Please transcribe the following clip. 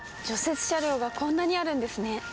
雪車両がこんなにあるんですね。